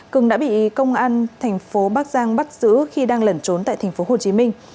cường đã bị công an tp bắc giang bắt giữ khi đang lẩn trốn tại tp hồ chí minh